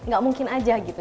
gak mungkin aja gitu